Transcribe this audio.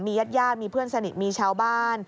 ญาติญาติมีเพื่อนสนิทมีชาวบ้าน